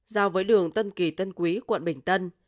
giao với đường tân kỳ tân quý quận bình tân